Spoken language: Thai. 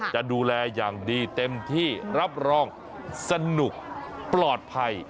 จะดูแลอย่างดีเต็มที่รับรองสนุกปลอดภัย